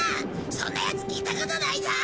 そんなヤツ聞いたことないぞ。